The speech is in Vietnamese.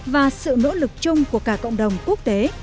và sự nỗ lực chung của cả cộng đồng quốc tế